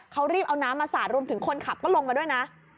เขารีบเอาน้ำมาสาดรวมถึงคนขับก็ลงมาด้วยนะ